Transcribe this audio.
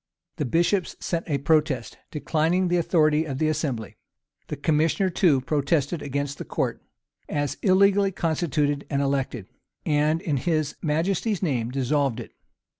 [] The bishops sent a protest, declining the authority of the assembly: the commissioner, too, protested against the court, as illegally constituted and elected; and, in his majesty's name, dissolved it.